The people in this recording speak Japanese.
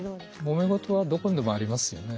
もめ事はどこにでもありますよね。